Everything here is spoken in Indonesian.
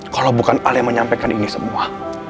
kalau bukan hal yang menyampaikan ini semua